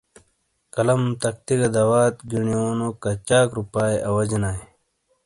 قلم، تختی گہ دوات گینیو کچاک رُُوپاۓ اواجیناۓ؟